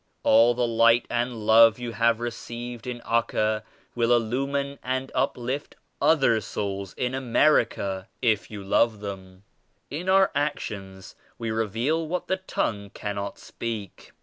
All the Light and Love you have received in Acca will illumine and uplift other souls in 82 America if you love them. In our actions we reveal what the tongue cannot speak.